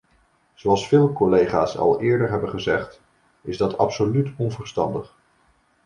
Zoals veel collega’s al eerder hebben gezegd, is dat absoluut onverstandig.